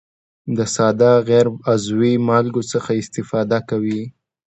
د ساده غیر عضوي مالګو څخه استفاده کوي.